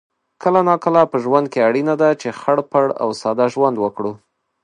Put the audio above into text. کله ناکله په ژوند کې اړینه ده چې خړ پړ او ساده ژوند وکړو